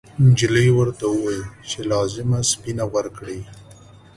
نجلۍ ورته وویل چې لازمه سپینه ورکړي.